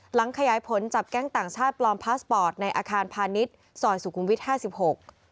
ขยายผลจับแก๊งต่างชาติปลอมพาสปอร์ตในอาคารพาณิชย์ซอยสุขุมวิทยห้าสิบหก